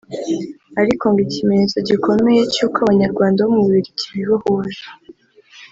ariko ngo ikimenyetso gikomeye cy’ uko Abanyarwanda bo mu Bubiligi bibohoje